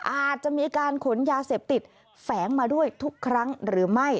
อาจจะมีการขนยาเสพติดแฝงมาด้วยทุกครั้งหรือไม่